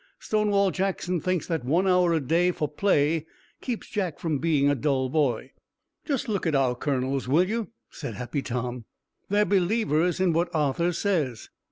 Stonewall Jackson thinks that one hour a day for play keeps Jack from being a dull boy." "Just look at our colonels, will you?" said Happy Tom. "They're believers in what Arthur says."